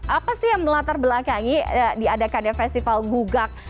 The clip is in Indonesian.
apa sih yang melatar belakang di adakannya festival gugak